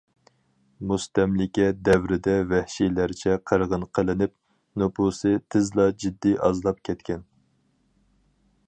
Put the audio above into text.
مۇستەملىكە دەۋرىدە ۋەھشىيلەرچە قىرغىن قىلىنىپ، نوپۇسى تېزلا جىددىي ئازلاپ كەتكەن.